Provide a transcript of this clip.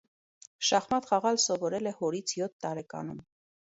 Շախմատ խաղալ սովորել է հորից յոթ տարեկանում։